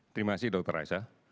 terima kasih dr raisa